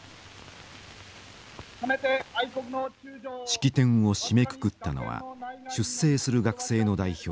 式典を締めくくったのは出征する学生の代表